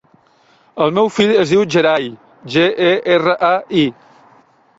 El meu fill es diu Gerai: ge, e, erra, a, i.